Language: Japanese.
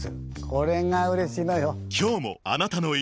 これがうれしいのよ。